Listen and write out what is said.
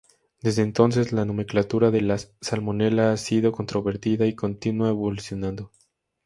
Desde entonces la nomenclatura de las "Salmonella" ha sido controvertida y continúa evolucionando.